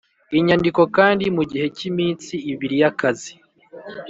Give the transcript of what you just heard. inyandiko kandi mu gihe cy iminsi ibiri y akazi